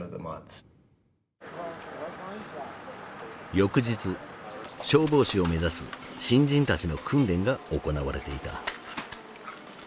翌日消防士を目指す新人たちの訓練が行われていた。